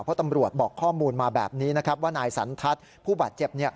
เพราะตำรวจบอกข้อมูลมาแบบนี้นะครับว่านายสันทัศน์ผู้บาดเจ็บ